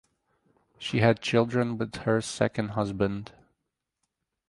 She had children with her second husband.